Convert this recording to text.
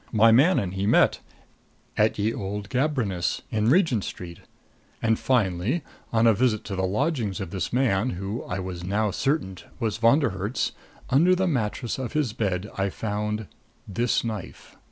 My man and he met at Ye Old Gambrinus, in Regent Street. And finally, on a visit to the lodgings of this man who, I was now certain, was Von der Herts, under the mattress of his bed I found this knife."